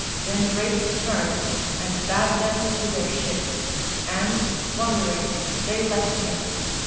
Then Drake turned And bade them to their ships; and, wondering, They left him.